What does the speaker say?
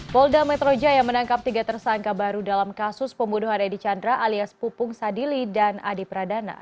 polda metro jaya menangkap tiga tersangka baru dalam kasus pembunuhan edi chandra alias pupung sadili dan adi pradana